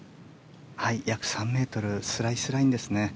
約３ｍスライスラインですね。